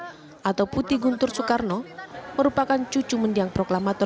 atau putih guntur soekarno merupakan cucu mendiang proklamator